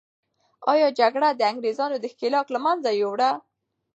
آیا جګړه د انګریزانو دښکیلاک له منځه یوړه؟